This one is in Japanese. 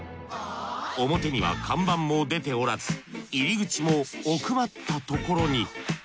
表には看板も出ておらず入り口も奥まったところに。